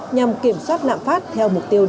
nhằm kiểm soát lạm phát theo mục tiêu đề ra